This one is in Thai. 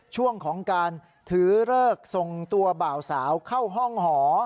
ช่วงของการถือเลิกส่งตัวบ่าวสาวเข้าห้องหอ